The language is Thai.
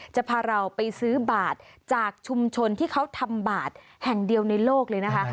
จะพาเราไปซื้อบาทจากชุมชนที่เขาทำบาทแห่งเดียวในโลกเลยนะคะ